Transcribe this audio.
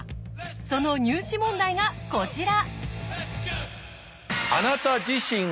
その入試問題がこちら。